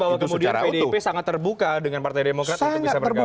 bahwa kemudian pdip sangat terbuka dengan partai demokrat untuk bisa bergabung